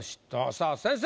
さあ先生！